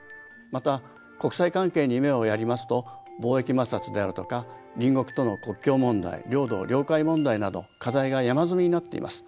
また国際関係に目をやりますと貿易摩擦であるとか隣国との国境問題領土・領海問題など課題が山積みになっています。